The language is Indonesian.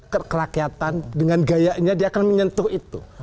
kerakyatan dengan gayanya dia akan menyentuh itu